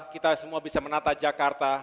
kita semua bisa menata jakarta